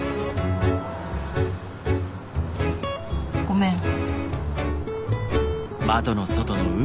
ごめん。